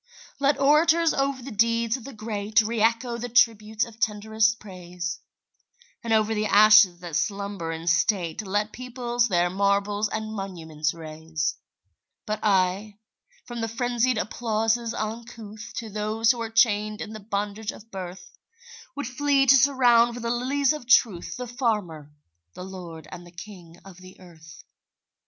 Let orators over the deeds of the great Re echo the tributes of tenderest praise, And over the ashes that slumber in state Let peoples their marbles and monuments raise; But I, from the frenzied applauses uncouth, To those who are chained in the bondage of birth, Would flee to surround with the lilies of truth The farmer, the lord and the king of the earth.